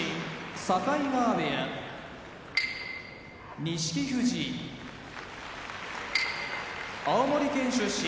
境川部屋錦富士青森県出身